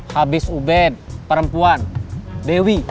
habis uben perempuan dewi